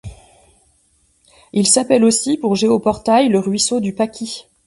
Il s'appelle aussi, pour Géoportail, le ruisseau du Paquis.